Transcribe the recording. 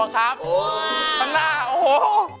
ข้างหน้าโอ้โห